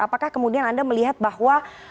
apakah kemudian anda melihat bahwa